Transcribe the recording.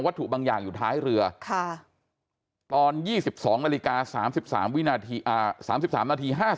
ถูกบางอย่างอยู่ท้ายเรือตอน๒๒นาฬิกา๓๓วินาที๓๓นาที